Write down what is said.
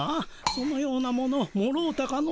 そのようなものもろうたかの？